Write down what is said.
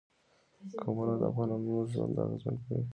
قومونه د افغانانو ژوند اغېزمن کوي.